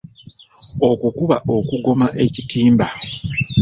Okwo kuba okugoma ekitimba.